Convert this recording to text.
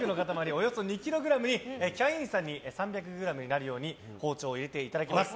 およそ２ｋｇにキャインさんに３００ｇになるように包丁を入れていただきます。